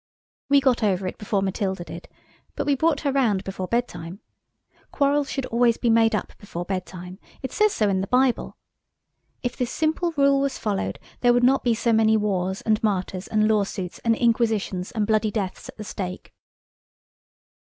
We got over it before Matilda did, but we brought her round before bedtime. Quarrels should always be made up before bedtime. It says so in the Bible. If this simple rule was followed there would not be so many wars and martyrs and law suits and inquisitions and bloody deaths at the stake.